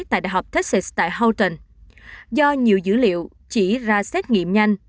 tại đại học texas tại houghton do nhiều dữ liệu chỉ ra xét nghiệm nhanh